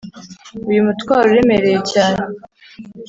uyumutwaro uremereye cyane,